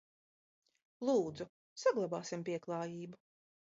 Lūdzu, saglabāsim pieklājību!